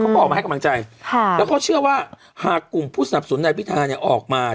ออกมาให้กำลังใจค่ะแล้วเขาเชื่อว่าหากกลุ่มผู้สนับสนนายพิธาเนี่ยออกมา